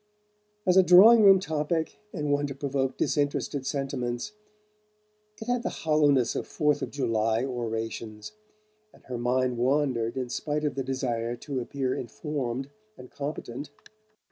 As a drawing room topic, and one to provoke disinterested sentiments, it had the hollowness of Fourth of July orations, and her mind wandered in spite of the desire to appear informed and competent.